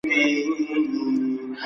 همدا د ژغورنې یوازینۍ لاره ده.